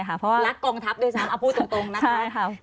และกองทัพโปรตรรม